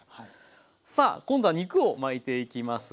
さあ今度は肉を巻いていきます。